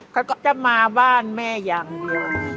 เขาก็จะมาบ้านแม่อย่างเดียว